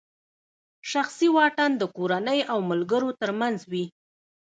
شخصي واټن د کورنۍ او ملګرو ترمنځ وي.